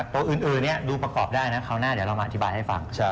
ตัวอื่นดูประกอบได้นะคราวหน้าเดี๋ยวเรามาอธิบายให้ฟัง